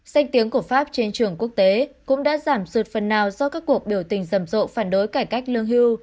danh tiếng của pháp trên trường quốc tế cũng đã giảm sụt phần nào do các cuộc biểu tình rầm rộ phản đối cải cách lương hưu